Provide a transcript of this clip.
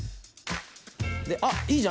であいいじゃん。